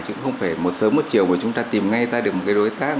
chứ không phải một sớm một chiều mà chúng ta tìm ngay ra được một cái đối tác